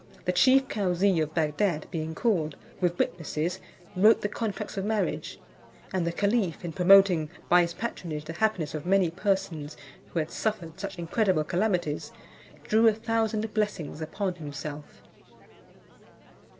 The chief Cauzee of Bagdad being called, with witnesses, wrote the contracts of marriage; and the caliph in promoting by his patronage the happiness of many persons who had suffered such incredible calamities, drew a thousand blessings upon himself.